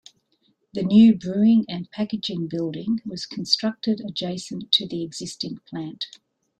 The new brewing and packaging building was constructed adjacent to the existing plant.